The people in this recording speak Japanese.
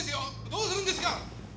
どうするんですか？